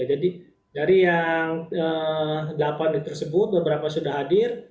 jadi dari yang delapan tersebut beberapa sudah hadir